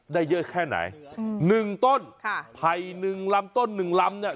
ได้เยอะแค่ไหนอืมหนึ่งต้นค่ะไผ่หนึ่งลำต้นหนึ่งลำเนี่ย